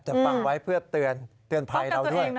แต่ฟังไว้เพื่อเตือนแปลวนไฟเราด้วย